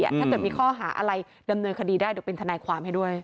ถ้าเกิดมีข้อหาอะไรดำเนินคดีได้เดี๋ยวเป็นทนายความให้ด้วย